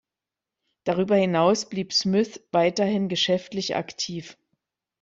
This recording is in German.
Darüber hinaus blieb Smyth weiterhin geschäftlich aktiv.